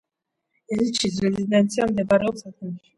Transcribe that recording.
ელჩის რეზიდენცია მდებარეობს ათენში.